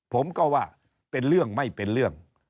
ผมก็ว่าเป็นเรื่องไม่เป็นเรื่อง